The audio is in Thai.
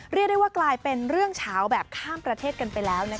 เรียกได้ว่ากลายเป็นเรื่องเฉาแบบข้ามประเทศกันไปแล้ว